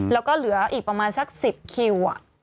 แล้วก็เหลืออีกประมาณสัก๑๐คิว